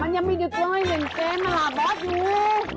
มันยังไม่ดีกว่าให้เล่นเกมมาล่าบอสอยู่